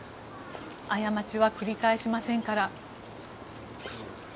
過ちは繰り返しませんから。